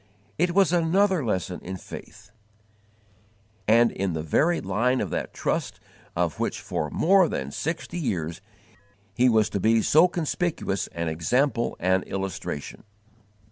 It was another lesson in faith, and in the very line of that trust of which for more than sixty years he was to be so conspicuous an example and illustration.